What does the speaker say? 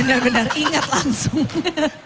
benar benar ingat langsung